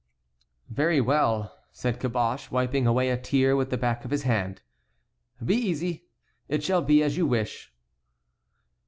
"Very well," said Caboche, wiping away a tear with the back of his hand; "be easy, it shall be as you wish."